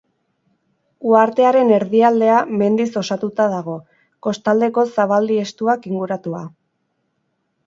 Uhartearen erdialdea mendiz osatuta dago, kostaldeko zabaldi estuak inguratua.